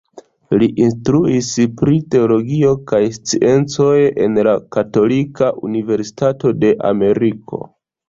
Li instruis pri teologio kaj sciencoj en la Katolika Universitato de Ameriko.